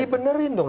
ya dibenerin dong